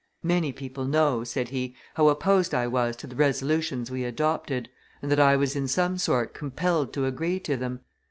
"Many people know," said he, "how opposed I was to the resolutions we adopted, and that I was in some sort compelled to agree to them.